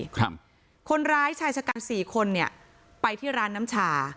ครับคนร้ายชายชะกันสี่คนเนี่ยไปที่ร้านน้ำชา